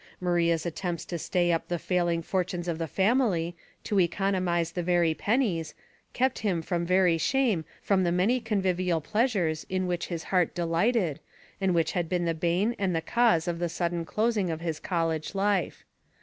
Maria's at tempts to stay up the falling fortunes of the fam ily, to economize the very pennies, kept hinj 64 Household Puzzles. from ver}' shame from the many convivial pleas ures in which his heart delighted, and which had been the bane and the cause of the sudden clos ing of his college life.